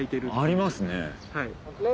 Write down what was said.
ありますね。